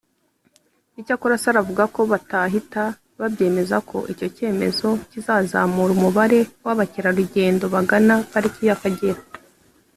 Icyakora Sarah avuga ko batahita babyemeza ko icyo cyemezo kizazamura umubare w’abakerarugendo bagana Pariki y’Akagera